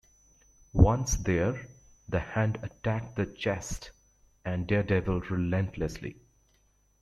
Once there, The Hand attacked the Chaste and Daredevil relentlessly.